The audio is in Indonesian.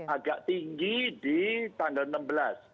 agak tinggi di tanggal enam belas